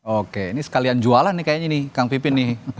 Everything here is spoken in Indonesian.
oke ini sekalian jualan nih kayaknya nih kang pipin nih